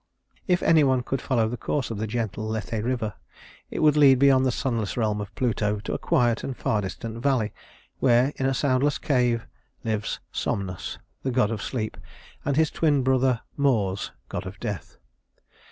If any one could follow the course of the gentle Lethe River, it would lead beyond the sunless realm of Pluto to a quiet and far distant valley, where, in a soundless cave, live Somnus, the god of sleep, and his twin brother Mors, god of death.